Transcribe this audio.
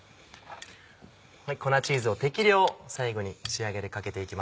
粉チーズを適量最後に仕上げでかけていきます。